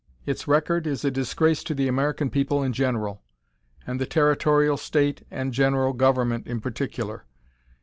Its record is a disgrace to the American people in general, and the Territorial, State, and General Government in particular.